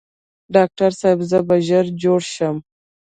ډاکټر صاحب زه به ژر جوړ شم؟